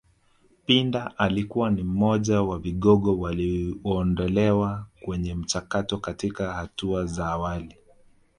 Pinda alikuwa ni mmoja wa vigogo walioondolewa kwenye mchakato katika hatua za awali